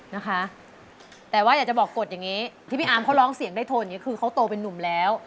นะคะแต่ว่าอยากจะบอกกฎอย่างนี้ที่พี่อาร์มเขาร้องเสียงได้โทนอย่างนี้คือเขาโตเป็นนุ่มแล้ว